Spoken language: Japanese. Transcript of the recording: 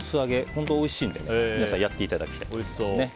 本当においしいので皆さんやっていただきたいですね。